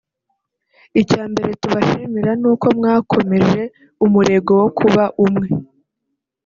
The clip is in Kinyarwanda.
Icya mbere tubashimira ni uko mwakomeje umurego wo kuba umwe